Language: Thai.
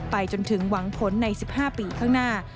จนถึงหวังผลใน๑๕ปีข้างหน้า